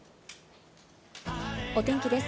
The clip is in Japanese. お天気です。